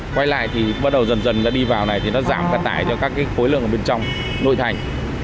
quay lại thì bắt đầu dần dần nó đi vào này thì nó giảm cả tải cho các cái khối lượng ở bên trong nội thành